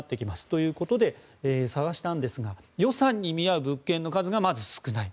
ということで、探したんですが予算に見合う物件の数がまず少ない。